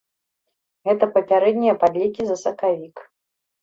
Гэта папярэднія падлікі за сакавік.